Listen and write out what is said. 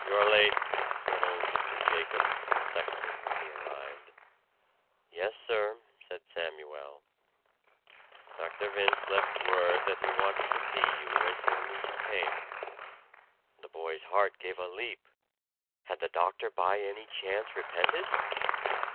"You are late," said old Mr. Jacobs, the sexton, when he arrived. "Yes, sir," said Samuel. "Dr. Vince left word that he wanted to see you as soon as you came." The boy's heart gave a leap. Had the doctor by any chance repented?